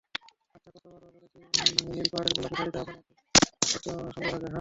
আচ্ছা, কতবার বলেছি নীল পাড়ের গোলাপি শাড়িতে আপনাকে অদ্ভুত সুন্দর লাগে।